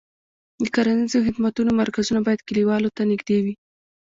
د کرنیزو خدمتونو مرکزونه باید کليوالو ته نږدې وي.